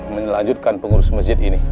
menyelanjutkan pengurus mesjid ini